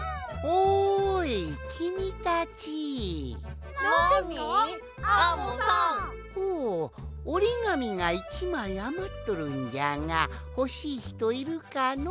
おおおりがみが１まいあまっとるんじゃがほしいひといるかの？